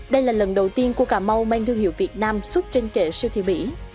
đây là lần đầu tiên cua cà mau mang thương hiệu việt nam xuất trên kệ siêu thị mỹ